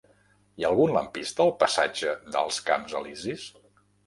Hi ha algun lampista al passatge dels Camps Elisis?